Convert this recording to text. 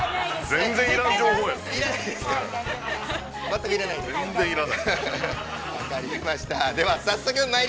◆全然要らない。